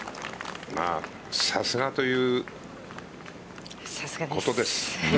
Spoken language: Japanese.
さすがということです。